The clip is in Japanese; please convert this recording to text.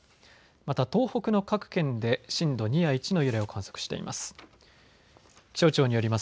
また東北の各県で震度２や１の揺れを観測しています。